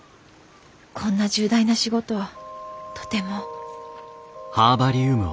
こんな重大な仕事とても。